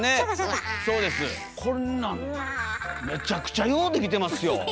こんなんめちゃくちゃよう出来てますよ！